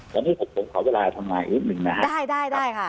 ตอนนี้ผมขอเวลาทำลายอีกหนึ่งนะครับได้ค่ะ